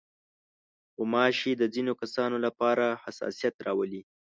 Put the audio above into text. غوماشې د ځينو کسانو لپاره حساسیت راولي.